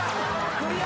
クリア。